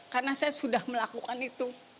karena saya sudah melakukan itu